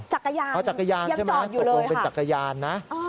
จักรยานยังจอดอยู่เลยค่ะอ๋อจักรยานใช่ไหมตกลงเป็นจักรยานนะ